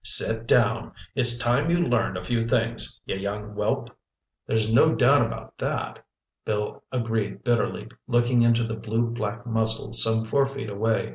Sit down! It's time you learned a few things, you young whelp!" "There's no doubt about that," Bill agreed bitterly, looking into the blue black muzzle some four feet away.